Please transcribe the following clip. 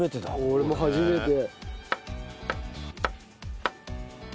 俺も初めて。